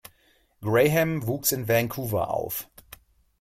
Graham wuchs in Vancouver auf.